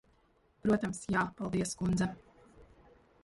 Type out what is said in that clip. Protams, jā. Paldies, kundze.